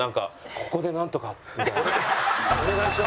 「ここでなんとか」みたいな。お願いします！